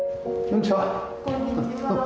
こんにちは。